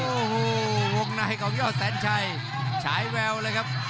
โอ้โหวงในของยอดแสนชัยฉายแววเลยครับ